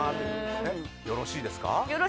よろしいです。